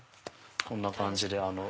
こんな感じで。